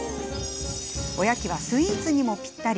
おやきはスイーツにもぴったり。